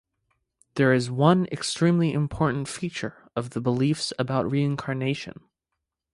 There is one extremely important feature of the beliefs about reincarnation.